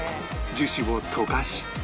樹脂を溶かし